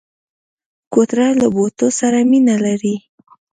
کوتره له بوټو سره مینه لري.